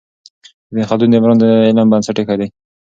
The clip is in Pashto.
ابن خلدون د عمران د علم بنسټ ایښی دی.